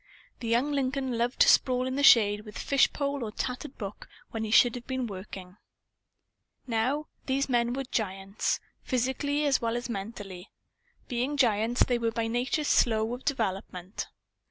The young Lincoln loved to sprawl in the shade with fish pole or tattered book, when he should have been working. Now, these men were giants physically as well as mentally. Being giants, they were by nature slow of development.